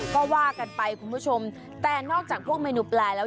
ก็ว่ากันไปคุณผู้ชมแต่นอกจากพวกเมนูแปลแล้ว